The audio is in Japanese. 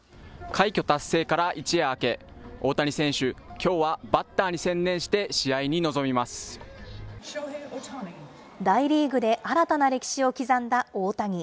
快挙達成から一夜明け、大谷選手、きょうはバッターに専念し大リーグで新たな歴史を刻んだ大谷。